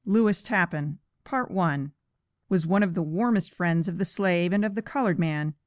LEWIS TAPPAN Was one of the warmest friends of the slave and of the colored man.